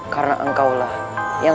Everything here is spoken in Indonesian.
karena engkau lah yang